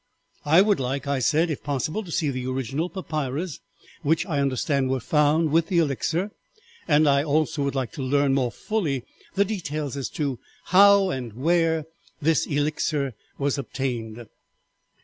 "'I would like,' I said, 'if possible, to see the original papyrus which I understand was found with the Elixir, and I also would like to learn more fully the details as to how and where this Elixir was obtained.'